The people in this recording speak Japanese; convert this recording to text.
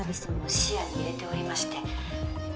視野に入れておりまして。